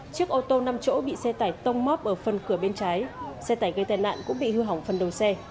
chiếc ô tô năm chỗ bị xe tải tông móc ở phần cửa bên trái xe tải gây tai nạn cũng bị hư hỏng phần đầu xe